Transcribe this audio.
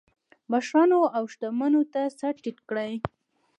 مشرانو او شتمنو ته سر ټیټ کړي.